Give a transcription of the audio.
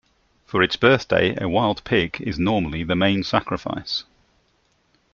For its birthday a wild pig is normally the main sacrifice.